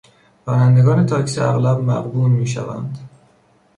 رانندگان تاکسی اغلب مغبون میشوند.